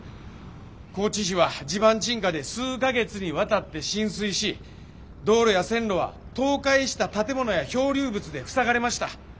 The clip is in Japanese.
高知市は地盤沈下で数か月にわたって浸水し道路や線路は倒壊した建物や漂流物で塞がれました。